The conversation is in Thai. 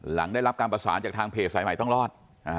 หลังได้รับการประสานจากทางเพจสายใหม่ต้องรอด